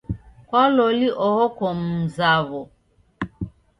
Kwa loli oho ko mumzaw'o.